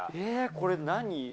これ何？